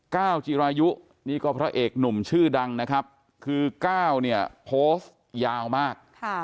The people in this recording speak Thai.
ก้าวจีรายุนี่ก็พระเอกหนุ่มชื่อดังนะครับคือก้าวเนี่ยโพสต์ยาวมาก